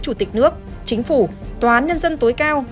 chủ tịch nước chính phủ tòa án nhân dân tối cao